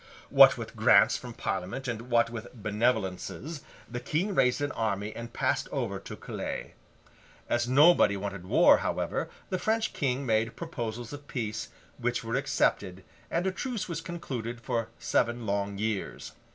What with grants from Parliament, and what with Benevolences, the King raised an army and passed over to Calais. As nobody wanted war, however, the French King made proposals of peace, which were accepted, and a truce was concluded for seven long years.